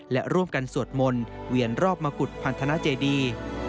และร่วมกันสวดมนต์เวียนรอบมกุฎพันธนาเจดี